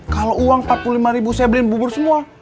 kalau uang empat puluh lima ribu saya beliin bubur semua